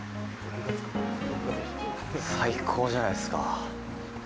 最高じゃないですか。